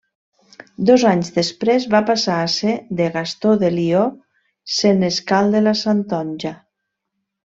Dos anys després va passar a ser de Gastó de Lió, senescal de la Santonja.